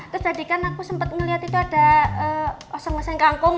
terus tadi kan aku sempat melihat itu ada oseng oseng kangkung